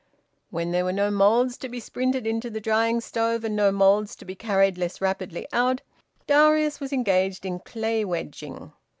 When there were no moulds to be sprinted into the drying stove, and no moulds to be carried less rapidly out, Darius was engaged in clay wedging.